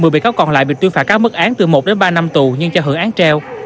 một mươi bị cáo còn lại bị tuyên phạt các mức án từ một đến ba năm tù nhưng cho hưởng án treo